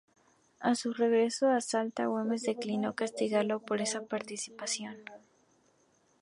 A su regreso a Salta, Güemes declinó castigarlo por esa participación.